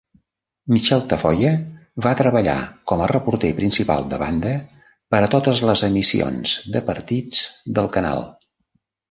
Michele Tafoya va treballar com a reporter principal de banda, per a totes les emissions de partits del canal.